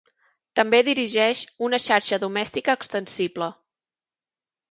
També dirigeix una xarxa domèstica extensible.